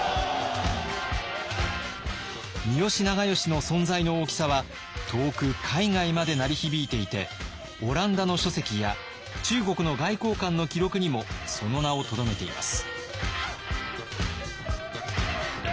三好長慶の存在の大きさは遠く海外まで鳴り響いていてオランダの書籍や中国の外交官の記録にもその名をとどめています。